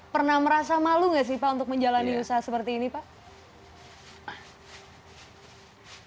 pernah merasa malu nggak sih pak untuk menjalani usaha seperti ini pak